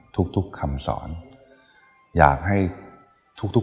ทุกคำสอนอยากให้ทุกคนเนี่ย